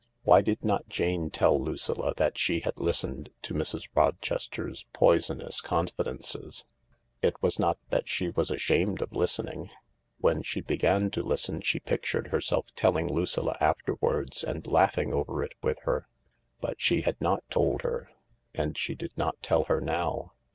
Why did not Jane tell Lucilla that she had listened to Mrs. Rochester's poisonous confidences ? It was not that she was ashamed of listening. When she began to listen she pictured herself telling Lucilla afterwards and laughing over it with her. But she had not told her. And she did not tell her now.